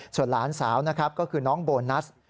ส่วนหลานสาวนะครับก็คือน้องโบนัส